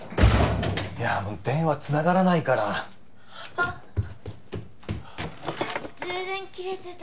いや電話つながらないからあっ充電切れてた